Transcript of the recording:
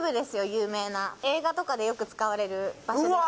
有名な映画とかでよく使われる場所ですよね